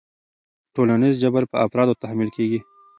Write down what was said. ټولنیز جبر په افرادو تحمیل کېږي.